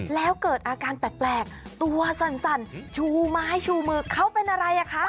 แล้วเกิดอาการแปลกตัวสั่นชูไม้ชูมือเขาเป็นอะไรอ่ะคะ